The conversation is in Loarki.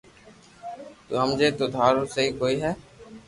ني ھمجي تو تو ھارون سھي ڪوئي ھي